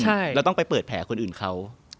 เราต้องไปเปิดแผ่คนอื่นเขา